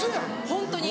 ホントに。